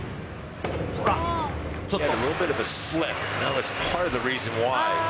ちょっと。